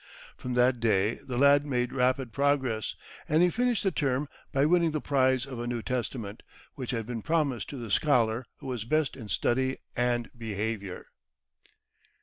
From that day the lad made rapid progress, and he finished the term by winning the prize of a New Testament, which had been promised to the scholar who was best in study and behaviour.